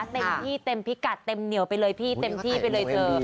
เต็มที่เต็มพิกัดเต็มเหนียวไปเลยพี่เต็มที่ไปเลยเธอ